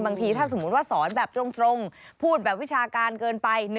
บางทีถ้าสมมุติว่าสอนแบบตรงพูดแบบวิชาการเกินไป